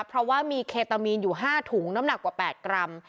เพราะว่ามีเคตามีนอยู่๕ถุงน้ำหนักกว่า๘กรัม